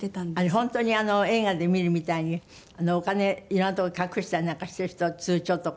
本当に映画で見るみたいにお金色んなとこに隠したりなんかしている人通帳とか。